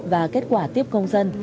và kết quả tiếp công dân